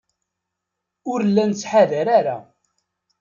Ur la nettḥadar ara.